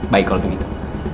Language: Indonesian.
baik kalau begitu